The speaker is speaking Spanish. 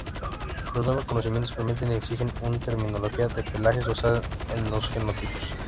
Los nuevos conocimientos permiten y exigen una terminología de pelajes basada en los genotipos.